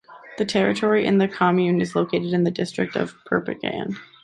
The territory in the commune is located in the district of Perpignan.